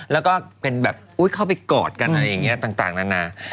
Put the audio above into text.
แล้วก็เป็นแบบเข้าไปกอดกันอะไรอย่างนี้ต่างนานา